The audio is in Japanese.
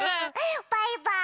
バイバーイ！